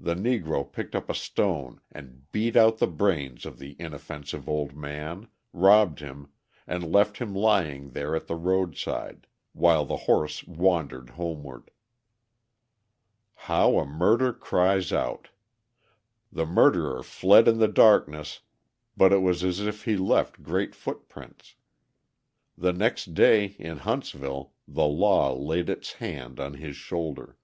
The Negro picked up a stone and beat out the brains of the inoffensive old man, robbed him, and left him lying there at the roadside, while the horse wandered homeward. How a murder cries out! The murderer fled in the darkness but it was as if he left great footprints. The next day, in Huntsville, the law laid its hand on his shoulder.